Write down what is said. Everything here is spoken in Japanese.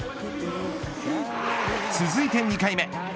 続いて２回目。